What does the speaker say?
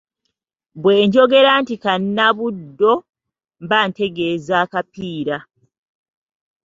Bwe njogera nti Kannabuddo mba ntegeeze akapiira.